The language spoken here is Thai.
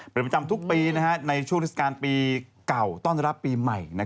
เป็นประจำทุกปีในช่วงเทศกาลปีเก่าต้อนรับปีใหม่